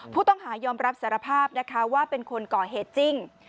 ผู้ต้องหายอมรับสารภาพนะคะว่าเป็นคนก่อเหตุจริง